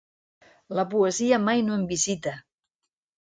La poesia mai no em visita.